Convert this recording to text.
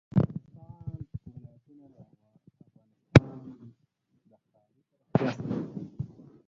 د افغانستان ولايتونه د افغانستان د ښاري پراختیا سبب کېږي.